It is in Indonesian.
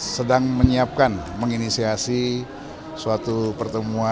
sedang menyiapkan menginisiasi suatu pertemuan